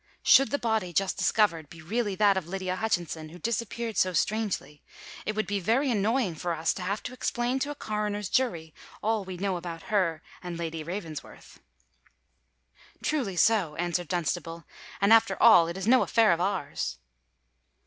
Should the body just discovered be really that of Lydia Hutchinson, who disappeared so strangely, it would be very annoying for us to have to explain to a Coroner's jury all we know about her and Lady Ravensworth." "Truly so," answered Dunstable. "And, after all, it is no affair of ours."